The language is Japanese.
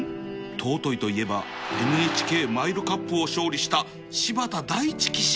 尊いといえば ＮＨＫ マイルカップを勝利した柴田大知騎手